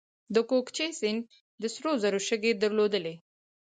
د کوکچې سیند د سرو زرو شګې درلودې